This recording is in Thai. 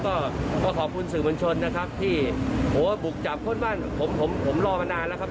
ก็ก็ขอบคุณสื่อบัญชนนะครับที่โหบุกจับคนบ้านผมผมรอมานานแล้วครับ